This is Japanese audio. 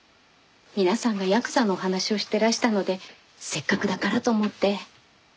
皆さんがヤクザのお話をしてらしたのでせっかくだからと思って。